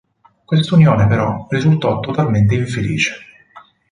Quest'unione, però, risultò totalmente infelice.